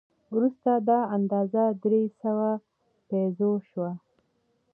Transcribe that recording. وروسته دا اندازه درې سوه پیزو شوه.